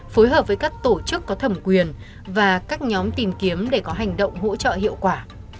phối hợp với các tổ chức có thẩm quyền và các nhóm tìm kiếm để có hành động hỗ trợ hiệu quả